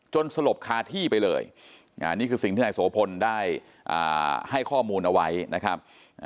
สลบคาที่ไปเลยอันนี้คือสิ่งที่นายโสพลได้ให้ข้อมูลเอาไว้นะครับ